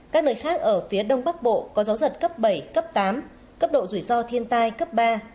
các nơi khác ở phía đông bắc bộ có gió giật cấp bảy cấp tám cấp độ rủi ro thiên tai cấp ba